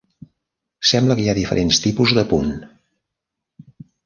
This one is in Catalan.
Sembla que hi ha diferents tipus de punt.